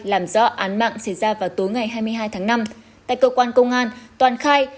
làm rõ án mạng xảy ra vào tối ngày hai mươi hai tháng năm tại cơ quan công an toàn khai